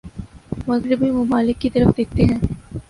مغربی ممالک کی طرف دیکھتے ہیں